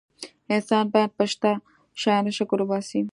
انسان باید په شته شیانو شکر وباسي.